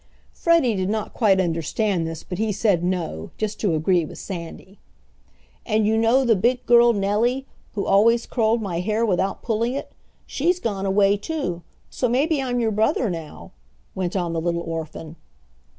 Freddie did not quite understand this but he said "no" just to agree with Sandy. "And you know the big girl, Nellie, who always curled my hair without pulling it, she's gone away too, so maybe I'm your brother now," went on the little orphan.